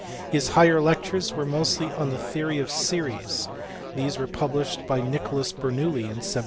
His higher lectures were mostly on the theory of series; these were published by Nicholas Bernoulli in 1713.